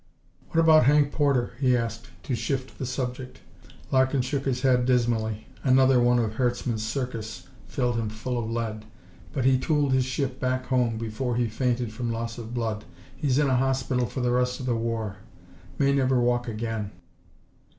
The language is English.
"What about Hank Porter?" he asked, to shift the subject. Larkin shook his head, dismally. "Another one of Herzmann's Circus filled him full of lead, but he tooled his ship back home before he fainted from loss of blood. He's in a hospital for the rest of the war. May never walk again."